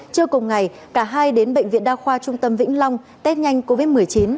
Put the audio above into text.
trưa cùng ngày cả hai đến bệnh viện đa khoa trung tâm vĩnh long test nhanh covid một mươi chín